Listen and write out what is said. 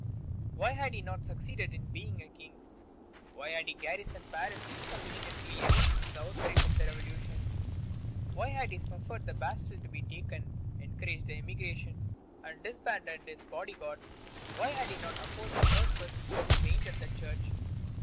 Why had he not succeeded in being a king? Why had he garrisoned Paris insufficiently ever since the outbreak of the Revolution? Why had he suffered the Bastille to be taken, encouraged the emigration, and disbanded his bodyguards? Why had he not opposed the first persecutions aimed at the Church?